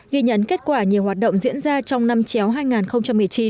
ghi nhấn kết quả nhiều hoạt động diễn ra trong năm chéo hai nghìn một mươi chín